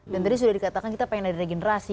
dan tadi sudah dikatakan kita ingin ada regenerasi